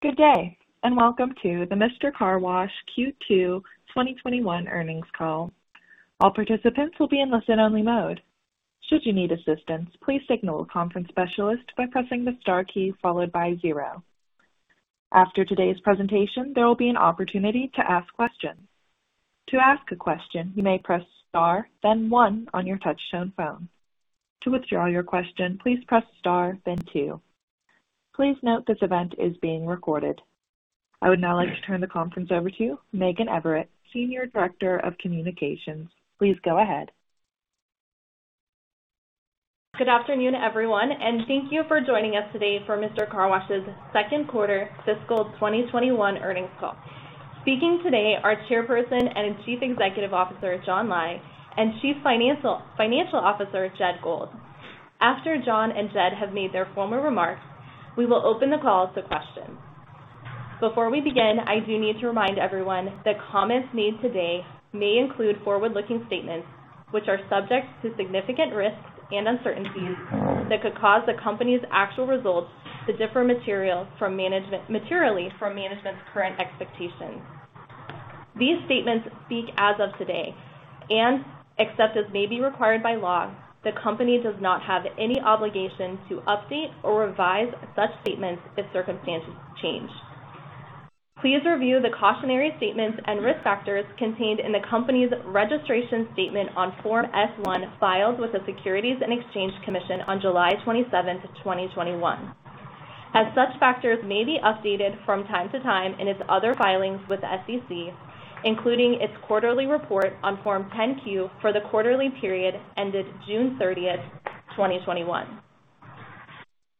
Good day, and welcome to the Mister Car Wash Q2 2021 earnings call. All participants will be in listen-only mode. Should you need assistance, please signal a conference specialist by pressing the star key followed by zero. After today's presentation, there will be an opportunity to ask questions. To ask a question, you may press star, then one on your touch-tone phone. To withdraw your question, please press star, then two. Please note this event is being recorded. I would now like to turn the conference over to Megan Everett, Senior Director of Communication. Please go ahead. Good afternoon, everyone, and thank you for joining us today for Mister Car Wash's second quarter fiscal 2021 earnings call. Speaking today are Chairperson and Chief Executive Officer, John Lai, and Chief Financial Officer, Jed Gold. After John and Jed have made their formal remarks, we will open the call to questions. Before we begin, I do need to remind everyone that comments made today may include forward-looking statements which are subject to significant risks and uncertainties that could cause the company's actual results to differ materially from management's current expectations. These statements speak as of today, and except as may be required by law, the company does not have any obligation to update or revise such statements if circumstances change. Please review the cautionary statements and risk factors contained in the company's registration statement on Form S-1 filed with the Securities and Exchange Commission on July 27th, 2021. As such factors may be updated from time to time in its other filings with the SEC, including its quarterly report on Form 10-Q for the quarterly period ended June 30th, 2021.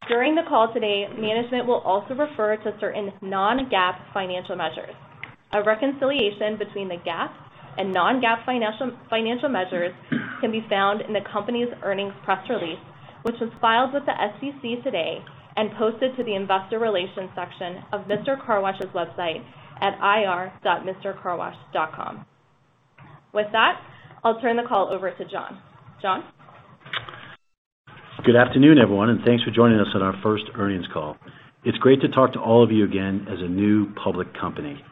During the call today, management will also refer to certain non-GAAP financial measures. A reconciliation between the GAAP and non-GAAP financial measures can be found in the company's earnings press release, which was filed with the SEC today and posted to the investor relations section of Mister Car Wash's website at ir.mistercarwash.com. With that, I'll turn the call over to John. John? Good afternoon, everyone, and thanks for joining us on our first earnings call. It's great to talk to all of you again as a new public company.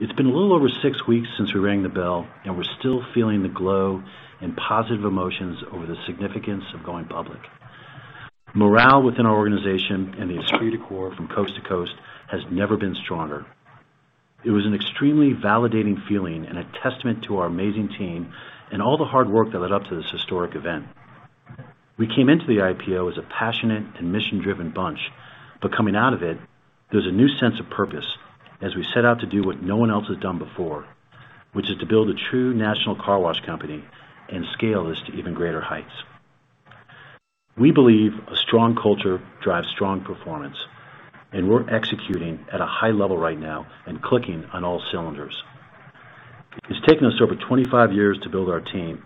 It's been a little over six weeks since we rang the bell, and we're still feeling the glow and positive emotions over the significance of going public. Morale within our organization and the esprit de corps from coast to coast has never been stronger. It was an extremely validating feeling and a testament to our amazing team and all the hard work that led up to this historic event. We came into the IPO as a passionate and mission-driven bunch, but coming out of it, there's a new sense of purpose as we set out to do what no one else has done before, which is to build a true national car wash company and scale this to even greater heights. We believe a strong culture drives strong performance, and we're executing at a high level right now and clicking on all cylinders. It's taken us over 25 years to build our team,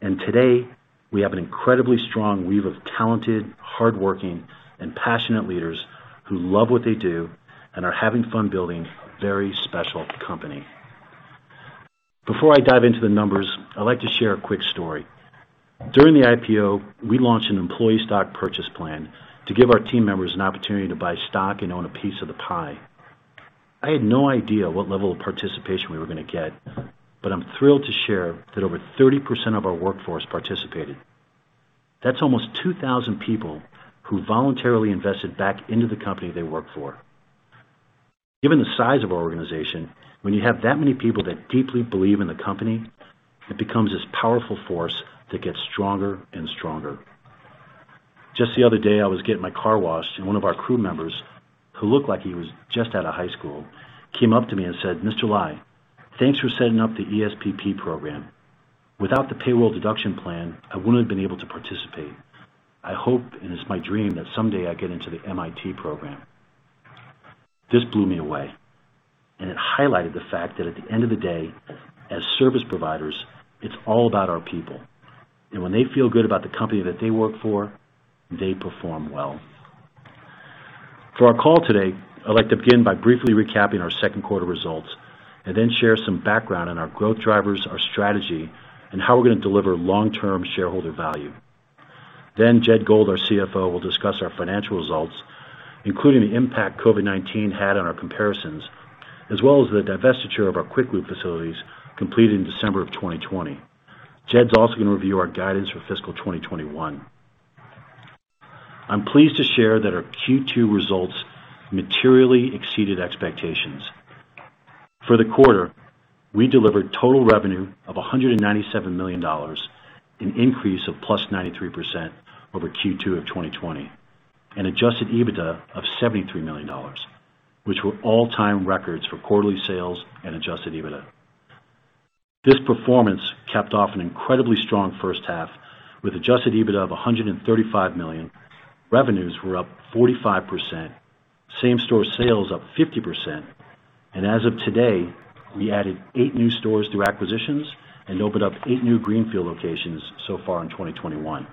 and today we have an incredibly strong weave of talented, hardworking, and passionate leaders who love what they do and are having fun building a very special company. Before I dive into the numbers, I'd like to share a quick story. During the IPO, we launched an employee stock purchase plan to give our team members an opportunity to buy stock and own a piece of the pie. I had no idea what level of participation we were going to get, but I'm thrilled to share that over 30% of our workforce participated. That's almost 2,000 people who voluntarily invested back into the company they work for. Given the size of our organization, when you have that many people that deeply believe in the company, it becomes this powerful force that gets stronger and stronger. Just the other day, I was getting my car washed and one of our crew members, who looked like he was just out of high school, came up to me and said, "Mr. Lai, thanks for setting up the ESPP program. Without the payroll deduction plan, I wouldn't have been able to participate. I hope, and it's my dream that someday I get into the MIT program." This blew me away, and it highlighted the fact that at the end of the day, as service providers, it's all about our people. When they feel good about the company that they work for, they perform well. For our call today, I'd like to begin by briefly recapping our second quarter results and then share some background on our growth drivers, our strategy, and how we're going to deliver long-term shareholder value. Jed Gold, our CFO, will discuss our financial results, including the impact COVID-19 had on our comparisons, as well as the divestiture of our Quick Lube facilities completed in December of 2020. Jed's also going to review our guidance for fiscal 2021. I'm pleased to share that our Q2 results materially exceeded expectations. For the quarter, we delivered total revenue of $197 million, an increase of +93% over Q2 of 2020, and adjusted EBITDA of $73 million, which were all-time records for quarterly sales and adjusted EBITDA. This performance capped off an incredibly strong first half with adjusted EBITDA of $135 million. Revenues were up 45%, same-store sales up 50%, and as of today, we added eight new stores through acquisitions and opened up eight new greenfield locations so far in 2021.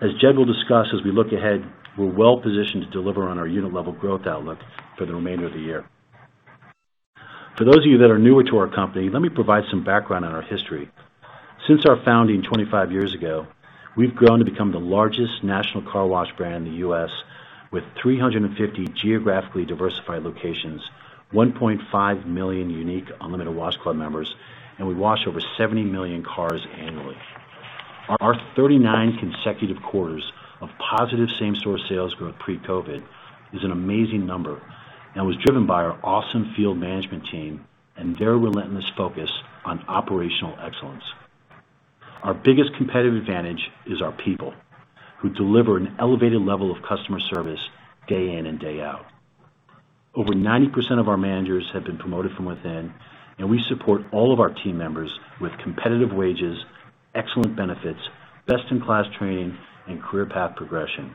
As Jed will discuss as we look ahead, we're well positioned to deliver on our unit-level growth outlook for the remainder of the year. For those of you that are newer to our company, let me provide some background on our history. Since our founding 25 years ago, we've grown to become the largest national car wash brand in the U.S., with 350 geographically diversified locations, 1.5 million unique Unlimited Wash Club members, and we wash over 70 million cars annually. Our 39 consecutive quarters of positive same-store sales growth pre-COVID is an amazing number and was driven by our awesome field management team and their relentless focus on operational excellence. Our biggest competitive advantage is our people, who deliver an elevated level of customer service day in and day out. Over 90% of our managers have been promoted from within, and we support all of our team members with competitive wages, excellent benefits, best-in-class training, and career path progression.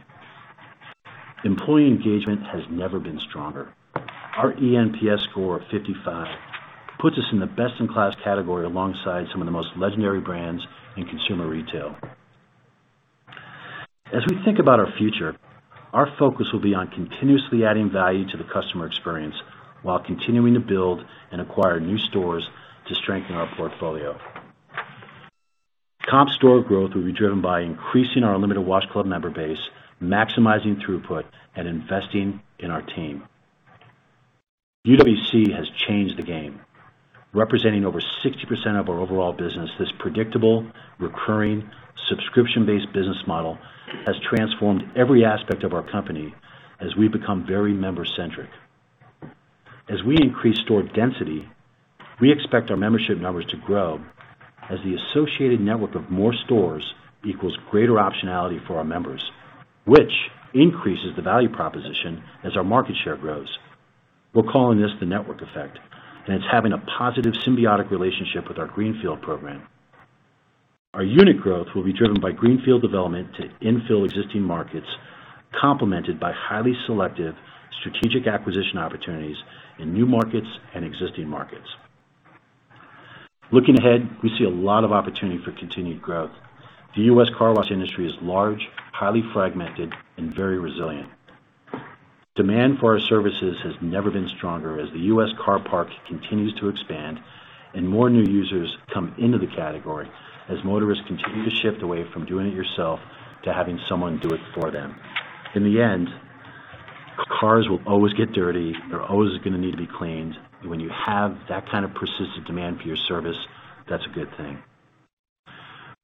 Employee engagement has never been stronger. Our eNPS score of 55 puts us in the best-in-class category alongside some of the most legendary brands in consumer retail. As we think about our future, our focus will be on continuously adding value to the customer experience while continuing to build and acquire new stores to strengthen our portfolio. Comp store growth will be driven by increasing our Unlimited Wash Club member base, maximizing throughput, and investing in our team. UWC has changed the game. Representing over 60% of our overall business, this predictable, recurring, subscription-based business model has transformed every aspect of our company as we become very member-centric. As we increase store density, we expect our membership numbers to grow as the associated network of more stores equals greater optionality for our members, which increases the value proposition as our market share grows. We're calling this the network effect, and it's having a positive symbiotic relationship with our greenfield program. Our unit growth will be driven by greenfield development to infill existing markets, complemented by highly selective strategic acquisition opportunities in new markets and existing markets. Looking ahead, we see a lot of opportunity for continued growth. The U.S. car wash industry is large, highly fragmented, and very resilient. Demand for our services has never been stronger as the U.S. car park continues to expand, and more new users come into the category as motorists continue to shift away from doing it yourself to having someone do it for them. In the end, cars will always get dirty. They're always going to need to be cleaned. When you have that kind of persistent demand for your service, that's a good thing.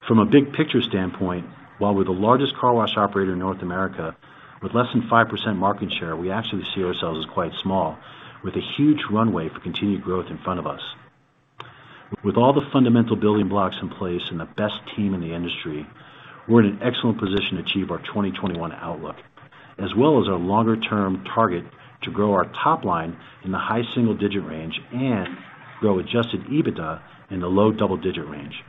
From a big picture standpoint, while we're the largest car wash operator in North America, with less than 5% market share, we actually see ourselves as quite small with a huge runway for continued growth in front of us. With all the fundamental building blocks in place and the best team in the industry, we're in an excellent position to achieve our 2021 outlook, as well as our longer-term target to grow our top line in the high single-digit range and grow adjusted EBITDA in the low double-digit range.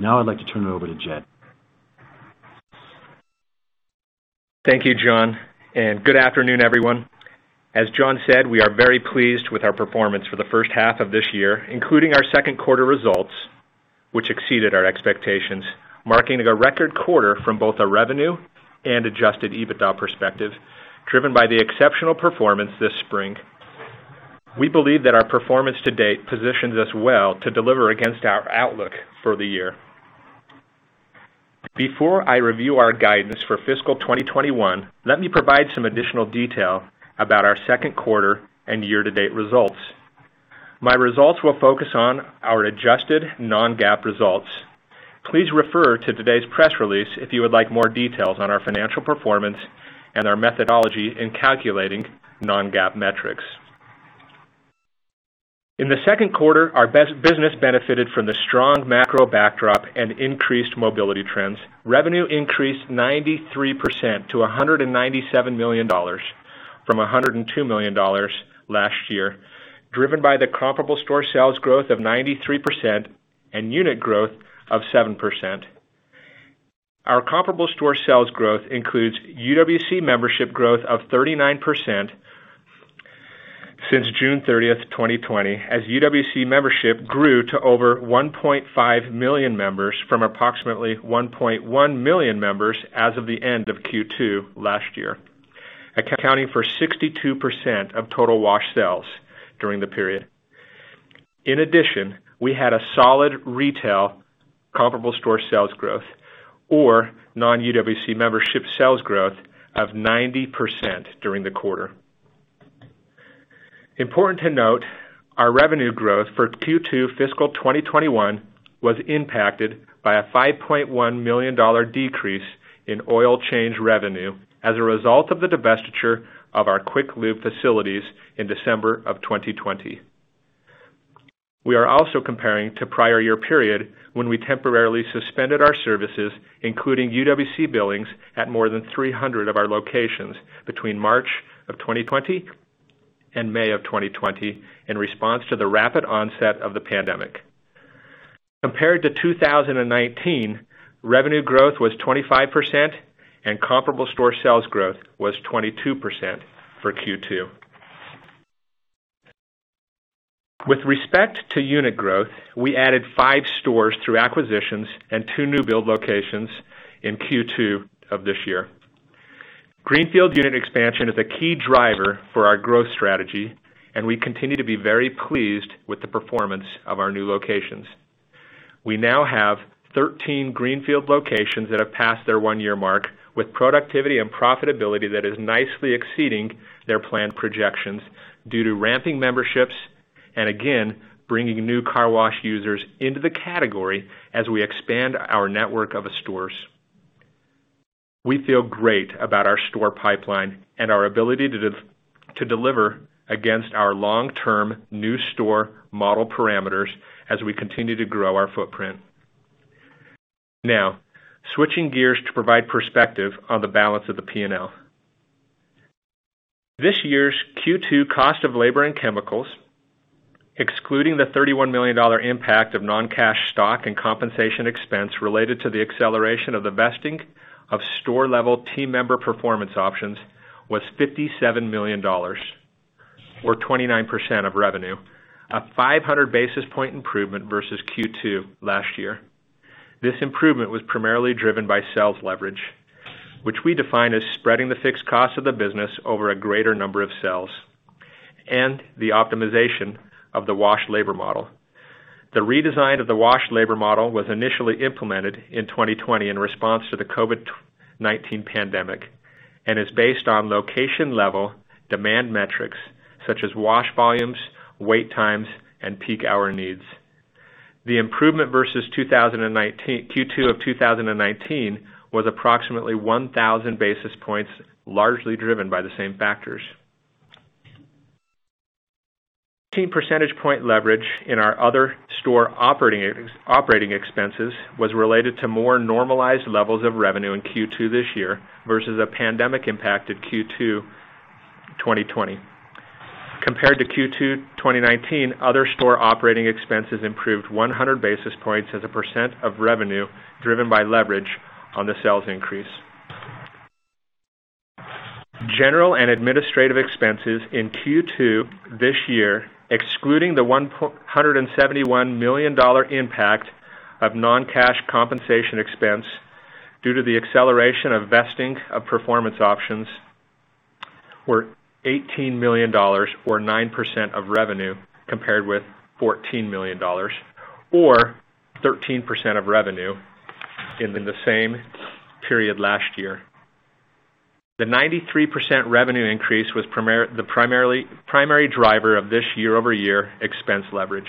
Now I'd like to turn it over to Jed. Thank you, John, and good afternoon, everyone. As John said, we are very pleased with our performance for the first half of this year, including our second quarter results, which exceeded our expectations, marking a record quarter from both a revenue and adjusted EBITDA perspective, driven by the exceptional performance this spring. We believe that our performance to date positions us well to deliver against our outlook for the year. Before I review our guidance for fiscal 2021, let me provide some additional detail about our second quarter and year-to-date results. My results will focus on our adjusted non-GAAP results. Please refer to today's press release if you would like more details on our financial performance and our methodology in calculating non-GAAP metrics. In the second quarter, our business benefited from the strong macro backdrop and increased mobility trends. Revenue increased 93% to $197 million from $102 million last year, driven by the comparable store sales growth of 93% and unit growth of 7%. Our comparable store sales growth includes UWC membership growth of 39% since June 30th, 2020, as UWC membership grew to over 1.5 million members from approximately 1.1 million members as of the end of Q2 last year, accounting for 62% of total wash sales during the period. In addition, we had a solid retail comparable store sales growth or non-UWC membership sales growth of 90% during the quarter. Important to note, our revenue growth for Q2 fiscal 2021 was impacted by a $5.1 million decrease in oil change revenue as a result of the divestiture of our Quick Lube facilities in December of 2020. We are also comparing to prior year period when we temporarily suspended our services, including UWC billings at more than 300 of our locations between March of 2020 and May of 2020 in response to the rapid onset of the pandemic. Compared to 2019, revenue growth was 25% and comparable store sales growth was 22% for Q2. With respect to unit growth, we added five stores through acquisitions and two new build locations in Q2 of this year. Greenfield unit expansion is a key driver for our growth strategy, and we continue to be very pleased with the performance of our new locations. We now have 13 greenfield locations that have passed their one-year mark, with productivity and profitability that is nicely exceeding their planned projections due to ramping memberships, and again, bringing new car wash users into the category as we expand our network of stores. We feel great about our store pipeline and our ability to deliver against our long-term new store model parameters as we continue to grow our footprint. Now, switching gears to provide perspective on the balance of the P&L. This year's Q2 cost of labor and chemicals, excluding the $31 million impact of non-cash stock and compensation expense related to the acceleration of the vesting of store-level team member performance options, was $57 million, or 29% of revenue, a 500-basis point improvement versus Q2 last year. This improvement was primarily driven by sales leverage, which we define as spreading the fixed cost of the business over a greater number of sales, and the optimization of the wash labor model. The redesign of the wash labor model was initially implemented in 2020 in response to the COVID-19 pandemic, and is based on location-level demand metrics such as wash volumes, wait times, and peak-hour needs. The improvement versus Q2 of 2019 was approximately 1,000 basis points, largely driven by the same factors. 15 percentage point leverage in our other store operating expenses was related to more normalized levels of revenue in Q2 this year versus a pandemic impact in Q2 2020. Compared to Q2 2019, other store operating expenses improved 100 basis points as a percent of revenue driven by leverage on the sales increase. General and administrative expenses in Q2 this year, excluding the $171 million impact of non-cash compensation expense due to the acceleration of vesting of performance options, were $18 million, or 9% of revenue, compared with $14 million, or 13% of revenue in the same period last year. The 93% revenue increase was the primary driver of this year-over-year expense leverage.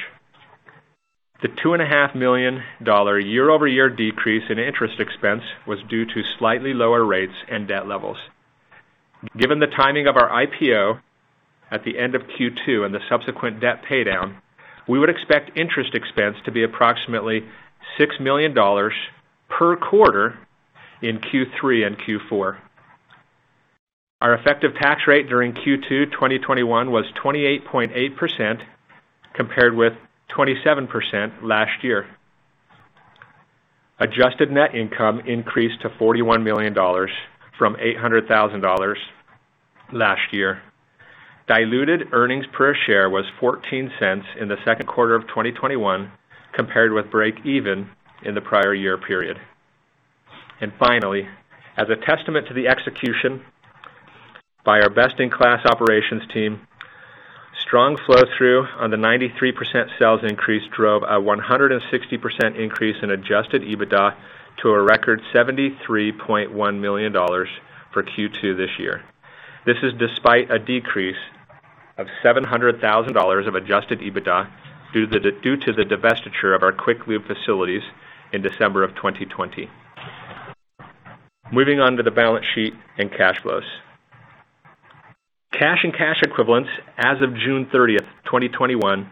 The $2.5 million year-over-year decrease in interest expense was due to slightly lower rates and debt levels. Given the timing of our IPO at the end of Q2 and the subsequent debt paydown, we would expect interest expense to be approximately $6 million per quarter in Q3 and Q4. Our effective tax rate during Q2 2021 was 28.8%, compared with 27% last year. Adjusted net income increased to $41 million from $800,000 last year. Diluted earnings per share was $0.14 in the second quarter of 2021, compared with break even in the prior year period. Finally, as a testament to the execution by our best-in-class operations team, strong flow-through on the 93% sales increase drove a 160% increase in adjusted EBITDA to a record $73.1 million for Q2 this year. This is despite a decrease of $700,000 of adjusted EBITDA due to the divestiture of our Quick Lube facilities in December of 2020. Moving on to the balance sheet and cash flows. Cash and cash equivalents as of June 30th, 2021,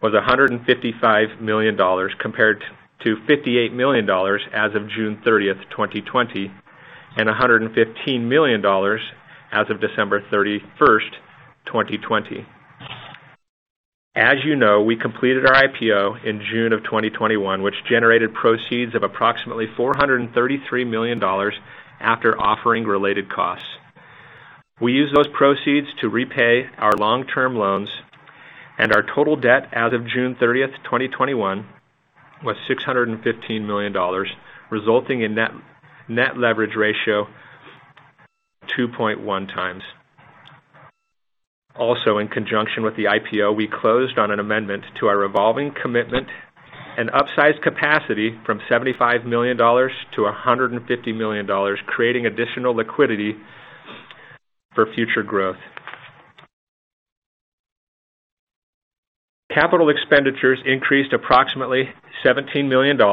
was $155 million, compared to $58 million as of June 30th, 2020, and $115 million as of December 31st, 2020. As you know, we completed our IPO in June of 2021, which generated proceeds of approximately $433 million after offering related costs. We used those proceeds to repay our long-term loans, and our total debt as of June 30th, 2021, was $615 million, resulting in net leverage ratio 2.1x. In conjunction with the IPO, we closed on an amendment to our revolving commitment and upsized capacity from $75 million to $150 million, creating additional liquidity for future growth. Capital expenditures increased approximately $17 million to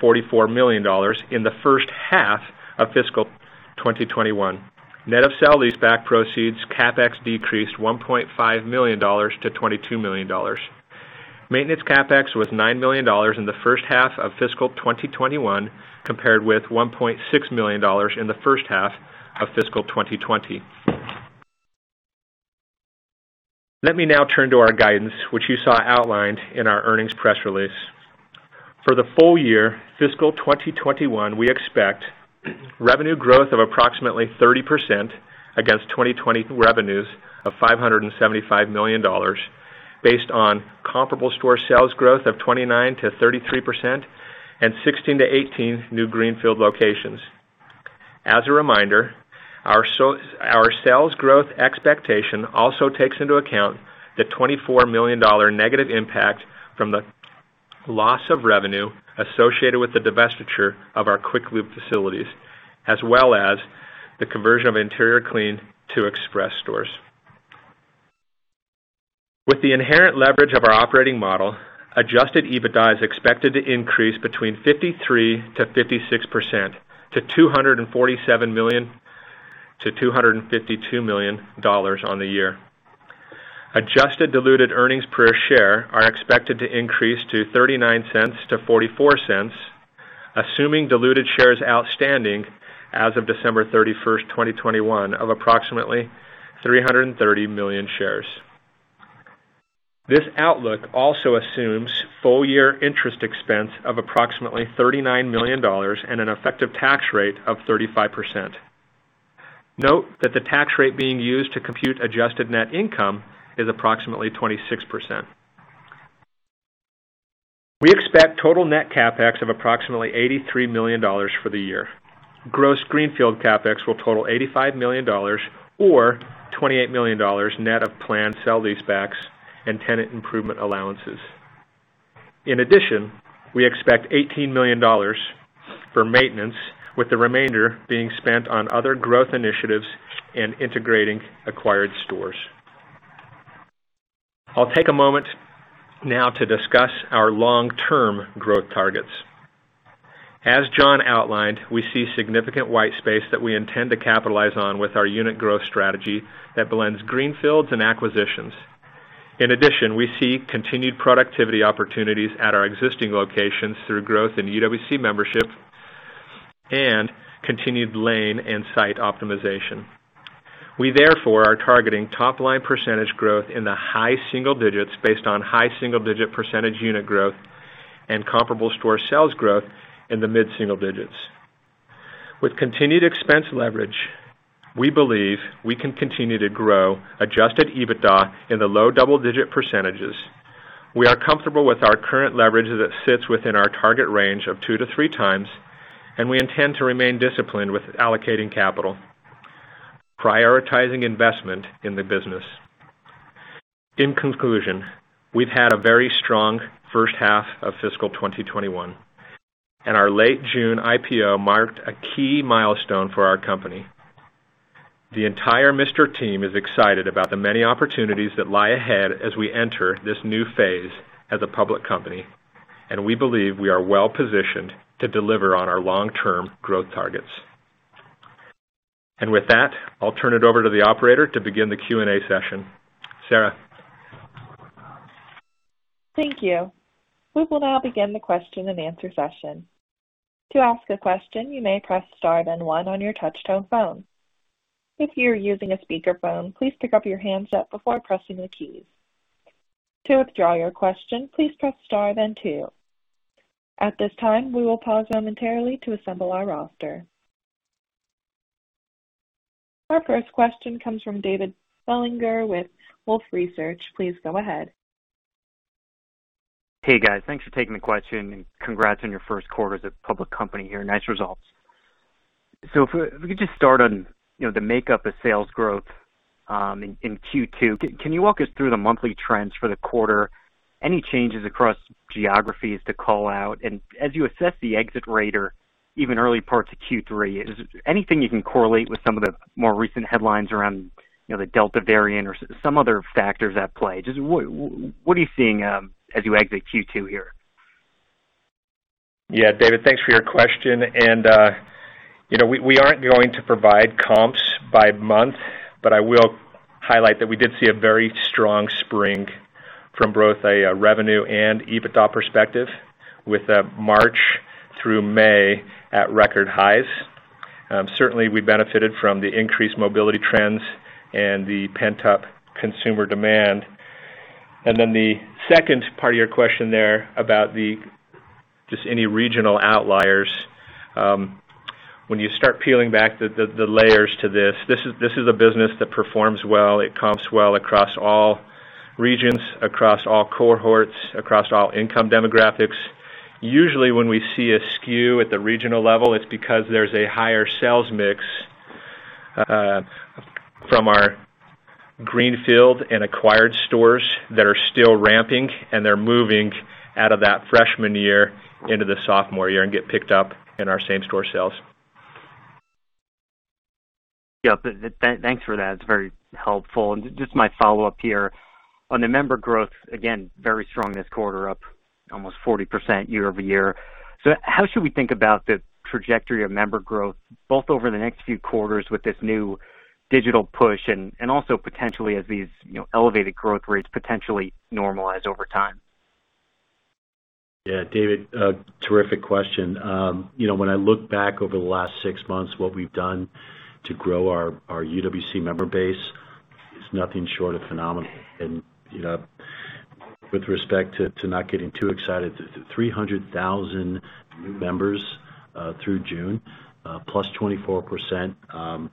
$44 million in the first half of fiscal 2021. Net of sale leaseback proceeds, CapEx decreased $1.5 million to $22 million. Maintenance CapEx was $9 million in the first half of fiscal 2021, compared with $1.6 million in the first half of fiscal 2020. Let me now turn to our guidance, which you saw outlined in our earnings press release. For the full year fiscal 2021, we expect revenue growth of approximately 30% against 2020 revenues of $575 million. Based on comparable store sales growth of 29%-33%, and 16-18 new greenfield locations. As a reminder, our sales growth expectation also takes into account the $24 million negative impact from the loss of revenue associated with the divestiture of our Quick Lube facilities, as well as the conversion of interior clean to express stores. With the inherent leverage of our operating model, adjusted EBITDA is expected to increase between 53%-56%, to $247 million-$252 million on the year. Adjusted diluted earnings per share are expected to increase to $0.39-$0.44, assuming diluted shares outstanding as of December 31st, 2021, of approximately 330 million shares. This outlook also assumes full year interest expense of approximatelly $39 million and an effective tax rate of 35%. Note that the tax rate being used to compute adjusted net income is approximatelly 26%. We expect total net CapEx of approximatelly $83 million for the year. Gross greenfield CapEx will total $85 million or $28 million net of planned sale leasebacks and tenant improvement allowances. In addition, we expect $18 million for maintenance, with the remainder being spent on other growth initiatives and integrating acquired stores. I'll take a moment now to discuss our long-term growth targets. As John outlined, we see significant white space that we intend to capitalize on with our unit growth strategy that blends greenfields and acquisitions. In addition, we see continued productivity opportunities at our existing locations through growth in UWC membership and continued lane and site optimization. We therefore are targeting top line percentage growth in the high single digits based on high single-digit percentage unit growth and comparable store sales growth in the mid single digits. With continued expense leverage, we believe we can continue to grow adjusted EBITDA in the low double-digit percentage. We are comfortable with our current leverage that sits within our target range of 2x-3x, and we intend to remain disciplined with allocating capital, prioritizing investment in the business. In conclusion, we've had a very strong first half of fiscal 2021, and our late June IPO marked a key milestone for our company. The entire Mister team is excited about the many opportunities that lie ahead as we enter this new phase as a public company, and we believe we are well positioned to deliver on our long-term growth targets. With that, I'll turn it over to the operator to begin the Q&A session. Sarah. Thank you. Our first question comes from David Bellinger with Wolfe Research. Please go ahead. Hey, guys. Thanks for taking the question, and congrats on your first quarter as a public company here. Nice results. If we could just start on the makeup of sales growth in Q2. Can you walk us through the monthly trends for the quarter? Any changes across geographies to call out? As you assess the exit rate, even early parts of Q3, is there anything you can correlate with some of the more recent headlines around the Delta variant or some other factors at play? Just what are you seeing as you exit Q2 here? Yeah, David, thanks for your question. We aren't going to provide comps by month, but I will highlight that we did see a very strong spring from both a revenue and EBITDA perspective, with March through May at record highs. Certainly, we benefited from the increased mobility trends and the pent-up consumer demand. Then the second part of your question there about just any regional outliers. When you start peeling back the layers to this is a business that performs well. It comps well across all regions, across all cohorts, across all income demographics. Usually, when we see a skew at the regional level, it's because there's a higher sales mix from our greenfield and acquired stores that are still ramping, and they're moving out of that freshman year into the sophomore year and get picked up in our same-store sales. Yeah, thanks for that. It's very helpful. Just my follow-up here. On the member growth, again, very strong this quarter, up almost 40% year-over-year. How should we think about the trajectory of member growth, both over the next few quarters with this new digital push and also potentially as these elevated growth rates potentially normalize over time? Yeah. David, terrific question. When I look back over the last six months, what we've done to grow our UWC member base is nothing short of phenomenal. With respect to not getting too excited, 300,000 new members through June, +24%.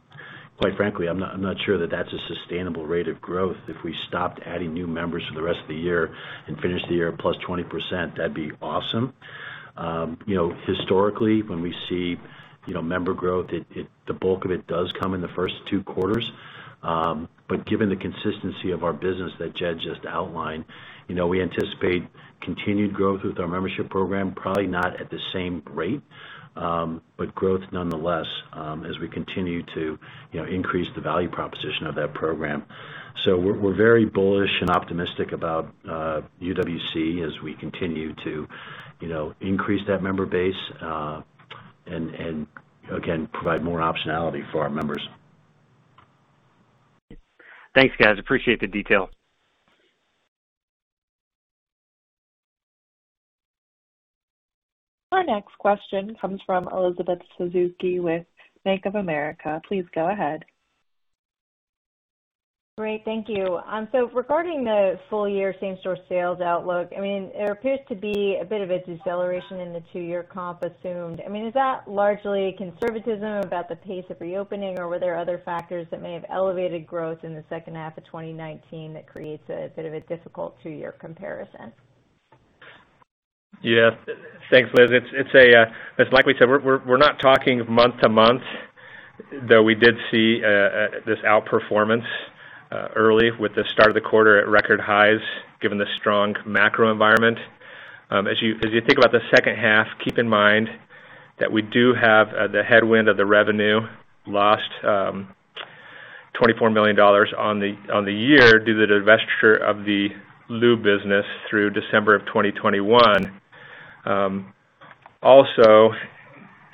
Quite frankly, I'm not sure that that's a sustainable rate of growth. If we stopped adding new members for the rest of the year and finished the year +20%, that'd be awesome. Historically, when we see member growth, the bulk of it does come in the first two quarters. Given the consistency of our business that Jed just outlined, we anticipate continued growth with our membership program, probably not at the same rate, but growth nonetheless, as we continue to increase the value proposition of that program. We're very bullish and optimistic about UWC as we continue to increase that member base, and again, provide more optionality for our members. Thanks, guys. Appreciate the detail. Our next question comes from Elizabeth Suzuki with Bank of America. Please go ahead. Great. Thank you. Regarding the full-year same-store sales outlook, there appears to be a bit of a deceleration in the two-year comp assumed. Is that largely conservatism about the pace of reopening, or were there other factors that may have elevated growth in the second half of 2019 that creates a bit of a difficult two-year comparison? Yeah. Thanks, Liz. It's like we said, we're not talking month-to-month, though we did see this outperformance early with the start of the quarter at record highs given the strong macro environment. As you think about the second half, keep in mind that we do have the headwind of the revenue lost, $24 million on the year due to the divestiture of the Lube business through December of 2021. Also,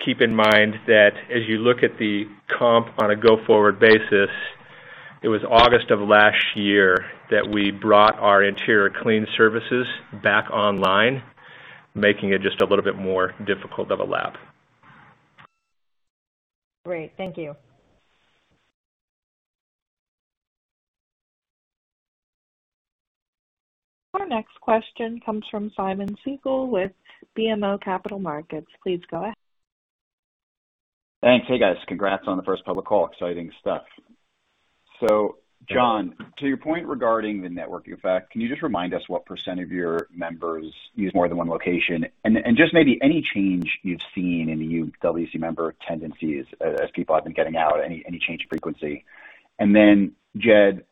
keep in mind that as you look at the comp on a go-forward basis, it was August of last year that we brought our interior clean services back online, making it just a little bit more difficult of a lap. Great. Thank you. Our next question comes from Simeon Siegel with BMO Capital Markets. Please go ahead. Thanks. Hey, guys. Congrats on the first public call. Exciting stuff. John, to your point regarding the network effect, can you just remind us what percent of your members use more than one location? Just maybe any change you've seen in the UWC member tendencies as people have been getting out, any change in frequency? Jed,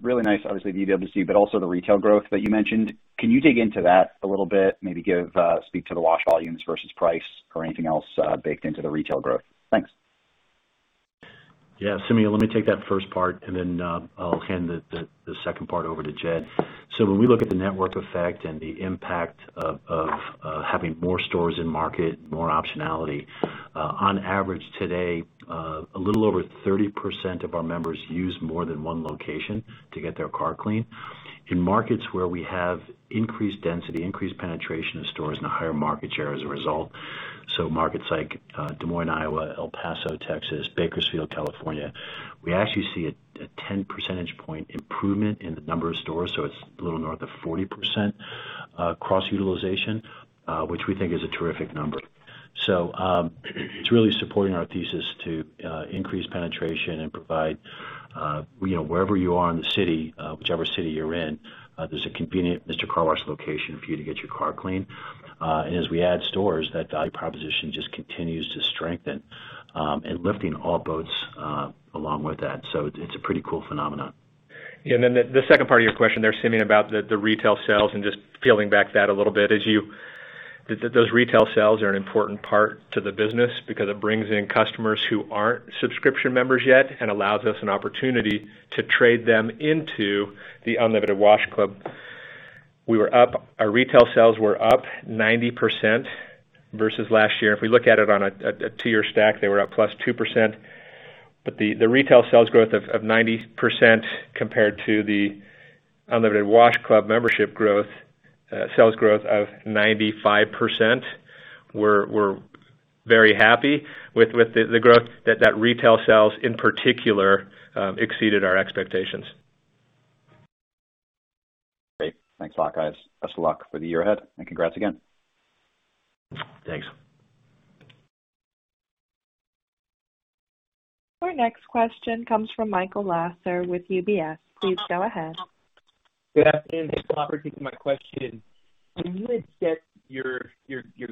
really nice, obviously, the UWC, but also the retail growth that you mentioned. Can you dig into that a little bit? Maybe speak to the wash volumes versus price or anything else baked into the retail growth. Thanks. Simeon, let me take that first part, and then I'll hand the second part over to Jed. When we look at the network effect and the impact of having more stores in market, more optionality, on average today, a little over 30% of our members use more than one location to get their car cleaned. In markets where we have increased density, increased penetration of stores, and a higher market share as a result, so markets like Des Moines, Iowa, El Paso, Texas, Bakersfield, California, we actually see a 10 percentage point improvement in the number of stores. It's a little north of 40% cross-utilization, which we think is a terrific number. It's really supporting our thesis to increase penetration and provide wherever you are in the city, whichever city you're in, there's a convenient Mister Car Wash location for you to get your car cleaned. As we add stores, that value proposition just continues to strengthen, and lifting all boats along with that. It's a pretty cool phenomenon. Yeah. The second part of your question there, Simeon, about the retail sales and just peeling back that a little bit. Those retail sales are an important part to the business because it brings in customers who aren't subscription members yet and allows us an opportunity to trade them into the Unlimited Wash Club. Our retail sales were up 90% versus last year. If we look at it on a two-year stack, they were up +2%. The retail sales growth of 90% compared to the Unlimited Wash Club membership sales growth of 95%, we're very happy with the growth that retail sales, in particular, exceeded our expectations. Great. Thanks a lot, guys. Best of luck for the year ahead, and congrats again. Thanks. Our next question comes from Michael Lasser with UBS. Please go ahead. Good afternoon. Thanks for the opportunity for my question. When you had set your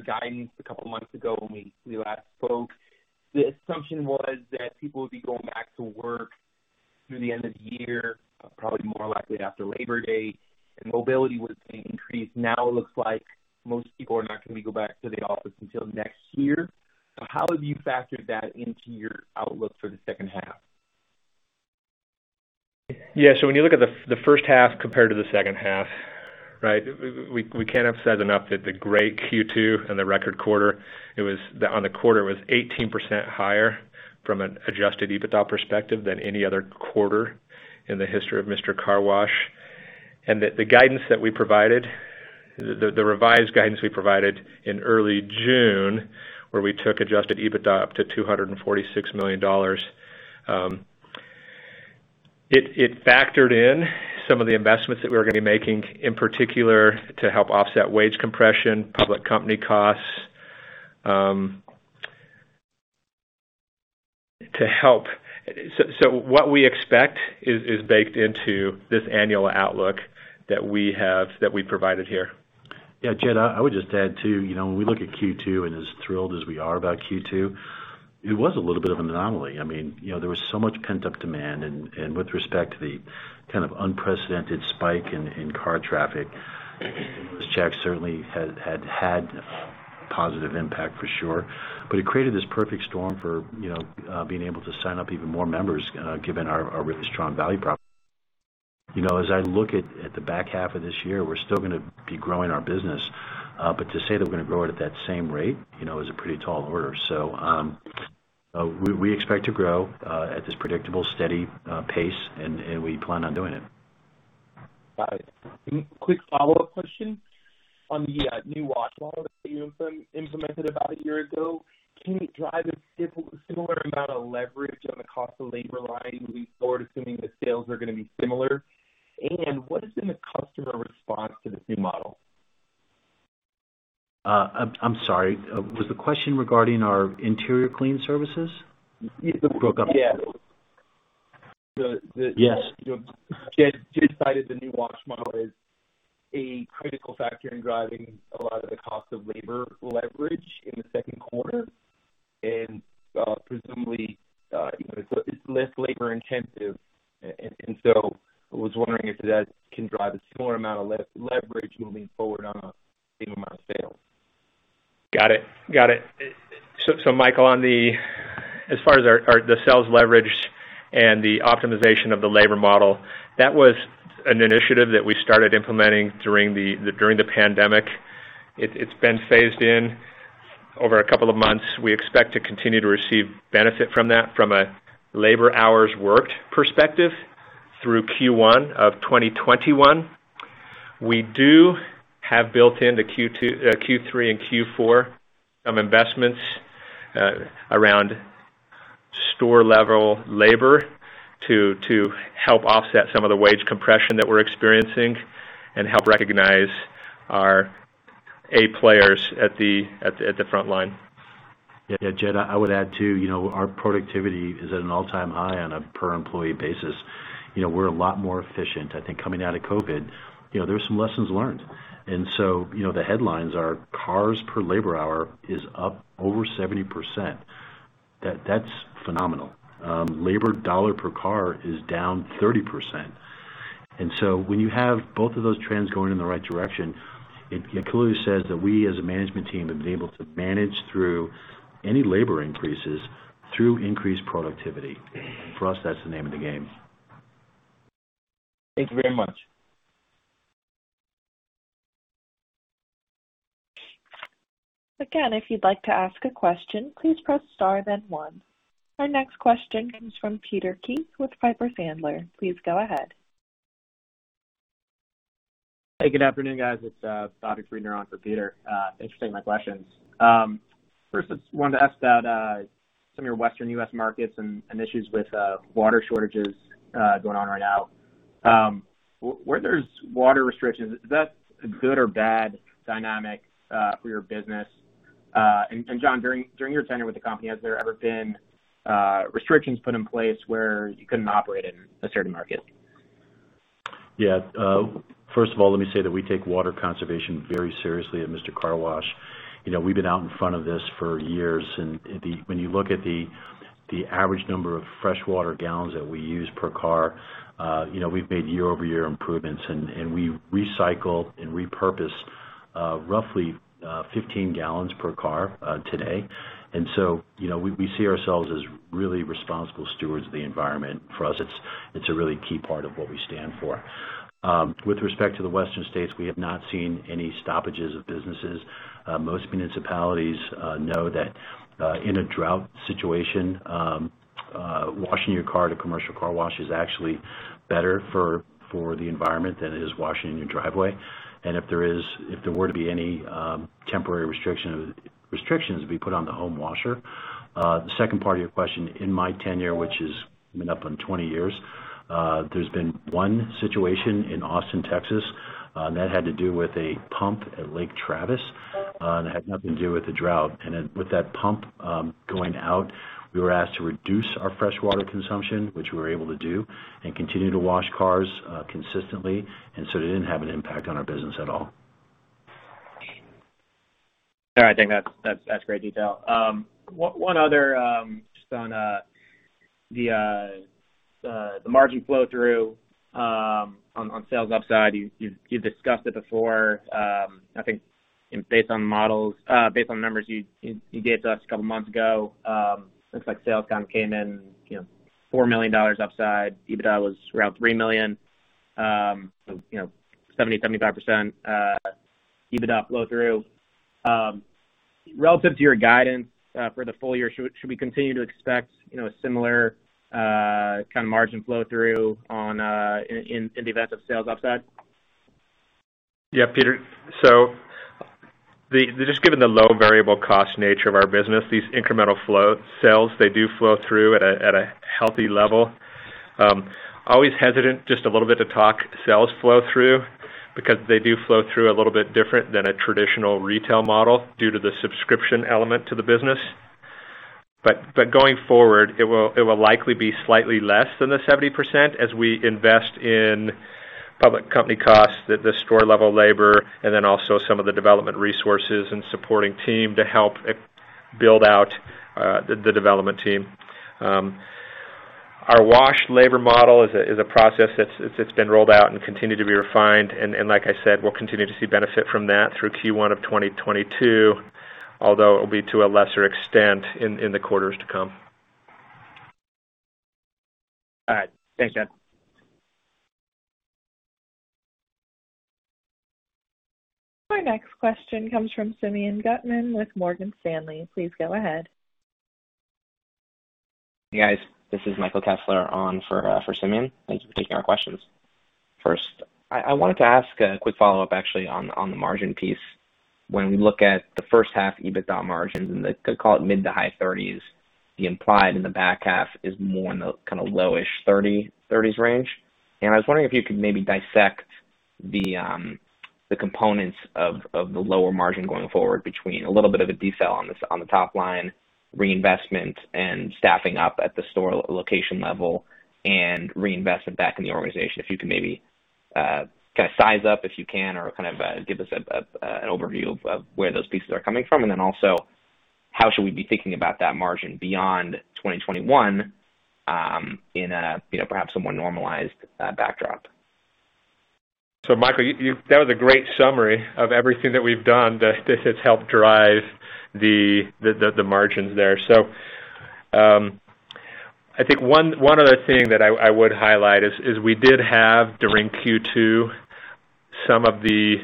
guidance a couple of months ago when we last spoke, the assumption was that people would be going back to work through the end of the year, probably more likely after Labor Day, and mobility was going to increase. Now it looks like most people are not going to be going back to the office until next year. How have you factored that into your outlook for the second half? When you look at the first half compared to the second half, we can't emphasize enough that the great Q2 and the record quarter, on the quarter, was 18% higher from an adjusted EBITDA perspective than any other quarter in the history of Mister Car Wash. That the revised guidance that we provided in early June, where we took adjusted EBITDA up to $246 million, it factored in some of the investments that we were going to be making, in particular to help offset wage compression, public company costs. What we expect is baked into this annual outlook that we have, that we provided here. Yeah, Jed, I would just add too, when we look at Q2, and as thrilled as we are about Q2, it was a little bit of an anomaly. There was so much pent-up demand, and with respect to the kind of unprecedented spike in car traffic, those checks certainly had had positive impact for sure. It created this perfect storm for being able to sign up even more members, given our really strong value proposition. As I look at the back half of this year, we're still going to be growing our business. To say that we're going to grow it at that same rate, is a pretty tall order. We expect to grow, at this predictable, steady pace, and we plan on doing it. Got it. Quick follow-up question on the new wash model that you implemented about a year ago. Can you drive a similar amount of leverage on the cost of labor line moving forward, assuming the sales are going to be similar? What has been the customer response to this new model? I'm sorry. Was the question regarding our interior clean services? Yeah. You broke up. Jed cited the new wash model as a critical factor in driving a lot of the cost of labor leverage in the second quarter, and presumably, it's less labor-intensive. I was wondering if that can drive a similar amount of leverage moving forward on a same amount of sales. Got it. Michael, as far as the sales leverage and the optimization of the labor model, that was an initiative that we started implementing during the pandemic. It's been phased in over a couple of months. We expect to continue to receive benefit from that from a labor hours worked perspective through Q1 2021. We do have built into Q3 and Q4 some investments around store-level labor to help offset some of the wage compression that we're experiencing and help recognize our A players at the front line. Yeah, Jed, I would add, too, our productivity is at an all-time high on a per-employee basis. We're a lot more efficient. I think coming out of COVID-19, there's some lessons learned. The headlines are cars per labor hour is up over 70%. That's phenomenal. Labor dollar per car is down 30%. When you have both of those trends going in the right direction, it clearly says that we as a management team have been able to manage through any labor increases through increased productivity. For us, that's the name of the game. Thank you very much. Again, if you'd like to ask a question, please press star then one. Our next question comes from Peter Keith with Piper Sandler. Please go ahead. Hey, good afternoon, guys. It's Robert Friedner for Peter. Thanks for taking my questions. First, I wanted to ask about some of your Western U.S. markets and issues with water shortages going on right now. Where there's water restrictions, is that a good or bad dynamic for your business? John, during your tenure with the company, has there ever been restrictions put in place where you couldn't operate in a certain market? First of all, let me say that we take water conservation very seriously at Mister Car Wash. We've been out in front of this for years. When you look at the average number of freshwater gallons that we use per car, we've made year-over-year improvements, and we recycle and repurpose roughly 15 gallons per car today. So, we see ourselves as really responsible stewards of the environment. For us, it's a really key part of what we stand for. With respect to the western states, we have not seen any stoppages of businesses. Most municipalities know that in a drought situation, washing your car at a commercial car wash is actually better for the environment than it is washing in your driveway. If there were to be any temporary restrictions to be put on the home washer. The second part of your question, in my tenure, which is coming up on 20 years, there's been one situation in Austin, Texas. It had to do with a pump at Lake Travis, and it had nothing to do with the drought. With that pump going out, we were asked to reduce our freshwater consumption, which we were able to do, and continue to wash cars consistently. It didn't have an impact on our business at all. All right. I think that's great detail. One other, just on the margin flow-through on sales upside. You discussed it before. I think based on numbers you gave to us a couple of months ago, looks like sales kind of came in $4 million upside. EBITDA was around $3 million. 70%-75% EBITDA flow-through. Relative to your guidance for the full year, should we continue to expect a similar kind of margin flow-through in the event of sales upside? Yeah, Peter. Just given the low variable cost nature of our business, these incremental flow sales, they do flow through at a healthy level. Always hesitant just a little bit to talk sales flow through, because they do flow through a little bit different than a traditional retail model due to the subscription element to the business. Going forward, it will likely be slightly less than the 70% as we invest in public company costs, the store-level labor, and also some of the development resources and supporting team to help build out the development team. Our wash labor model is a process that's been rolled out and continue to be refined, and like I said, we'll continue to see benefit from that through Q1 of 2022, although it will be to a lesser extent in the quarters to come. All right. Thanks, Jed. Our next question comes from Simeon Gutman with Morgan Stanley. Please go ahead. Hey, guys. This is Michael Kessler on for Simeon. Thanks for taking our questions. I wanted to ask a quick follow-up actually on the margin piece. When we look at the first half EBITDA margins, and they call it mid to high 30s, the implied in the back half is more in the kind of lowish 30s range. I was wondering if you could maybe dissect the components of the lower margin going forward between a little bit of a detail on the top line reinvestment and staffing up at the store location level and reinvestment back in the organization. If you could maybe kind of size up if you can or kind of give us an overview of where those pieces are coming from. Also, how should we be thinking about that margin beyond 2021 in a perhaps more normalized backdrop? Michael, that was a great summary of everything that we've done that has helped drive the margins there. I think one other thing that I would highlight is we did have, during Q2, some of the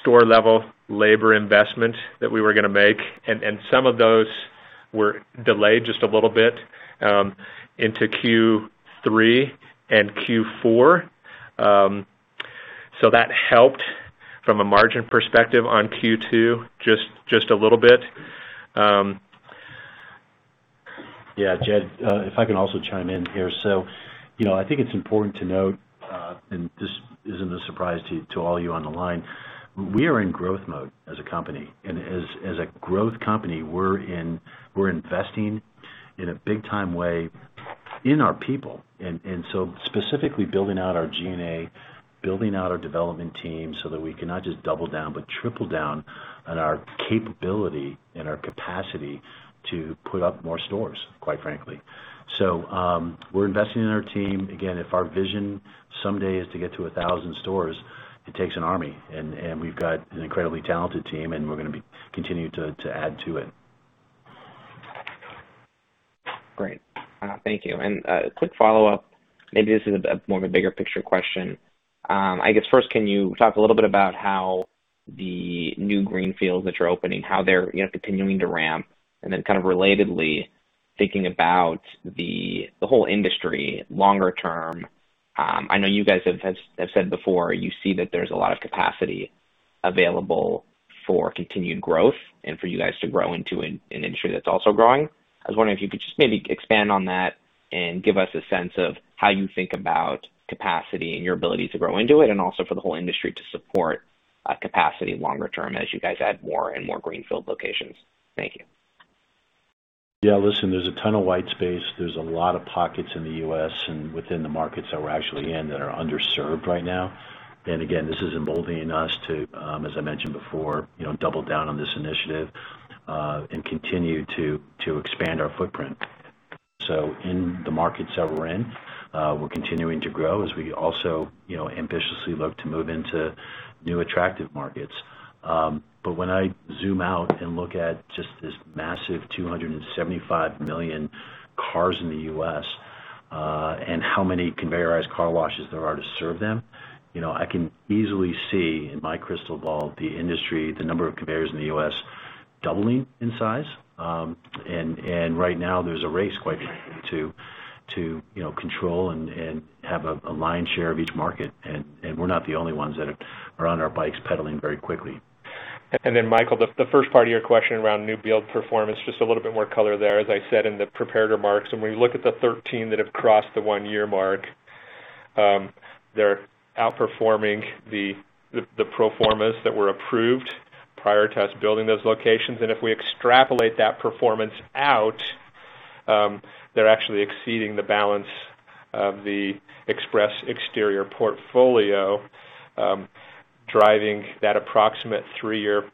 store-level labor investment that we were going to make, and some of those were delayed just a little bit into Q3 and Q4. That helped from a margin perspective on Q2 just a little bit. Yeah, Jed, if I can also chime in here. I think it's important to note, and this isn't a surprise to all of you on the line, we are in growth mode as a company. As a growth company, we're investing in a big-time way in our people. Specifically building out our G&A, building out our development team so that we can not just double down, but triple down on our capability and our capacity to put up more stores, quite frankly. We're investing in our team. Again, if our vision someday is to get to 1,000 stores, it takes an army, and we've got an incredibly talented team, and we're going to be continuing to add to it. Great. Thank you. A quick follow-up, maybe this is more of a bigger picture question. I guess first, can you talk a little bit about how the new greenfields that you're opening, how they're continuing to ramp? Then kind of relatedly, thinking about the whole industry longer term, I know you guys have said before, you see that there's a lot of capacity available for continued growth and for you guys to grow into an industry that's also growing. I was wondering if you could just maybe expand on that and give us a sense of how you think about capacity and your ability to grow into it, and also for the whole industry to support capacity longer term as you guys add more and more greenfield locations. Thank you. Yeah, listen, there's a ton of white space. There's a lot of pockets in the U.S. and within the markets that we're actually in that are underserved right now. Again, this is emboldening us to, as I mentioned before, double down on this initiative, and continue to expand our footprint. In the markets that we're in, we're continuing to grow as we also ambitiously look to move into new attractive markets. When I zoom out and look at just this massive 275 million cars in the U.S., and how many conveyorized car washes there are to serve them, I can easily see in my crystal ball, the industry, the number of conveyors in the U.S. doubling in size. Right now, there's a race, quite frankly, to control and have a lion's share of each market, and we're not the only ones that are on our bikes pedaling very quickly. Then Michael, the first part of your question around new build performance, just a little bit more color there. As I said in the prepared remarks, when we look at the 13 that have crossed the one-year mark, they're outperforming the pro formas that were approved prior to us building those locations. If we extrapolate that performance out, they're actually exceeding the balance of the express exterior portfolio, driving that approximate three-year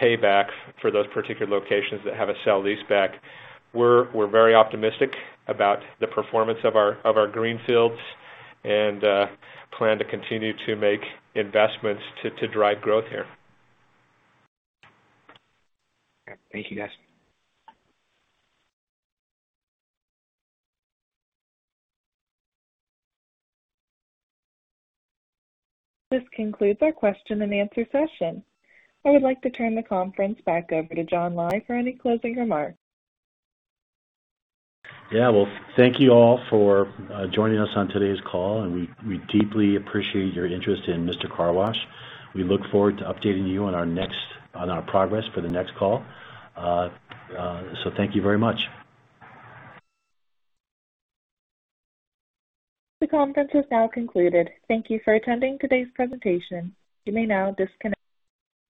payback for those particular locations that have a sale leaseback. We're very optimistic about the performance of our greenfields and plan to continue to make investments to drive growth here. Thank you, guys. This concludes our question and answer session. I would like to turn the conference back over to John Lai for any closing remarks. Yeah. Well, thank you all for joining us on today's call, and we deeply appreciate your interest in Mister Car Wash. We look forward to updating you on our progress for the next call. Thank you very much. The conference has now concluded. Thank you for attending today's presentation. You may now disconnect.